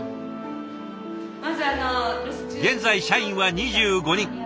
現在社員は２５人。